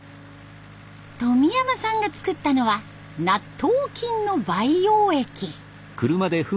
富山さんが作ったのは納豆菌の培養液。